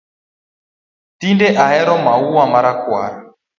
Tinde ahero maua ma rakwar